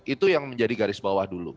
itu yang menjadi garis bawah dulu